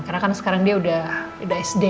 karena kan sekarang dia udah sd ya